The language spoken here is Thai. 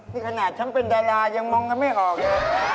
นี่ขนาดฉันเป็นดารายังมองกันไม่ออกเลย